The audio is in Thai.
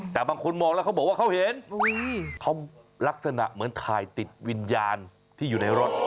แต่บางคนมองแล้วเขาบอกว่าเขาเห็นเขาลักษณะเหมือนถ่ายติดวิญญาณที่อยู่ในรถ